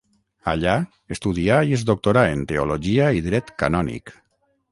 Allà, estudià i es doctorà en Teologia i Dret canònic.